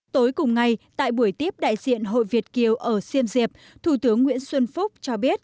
tối cùng ngày tại buổi tiếp đại diện hội việt kiều ở siêm diệp thủ tướng nguyễn xuân phúc cho biết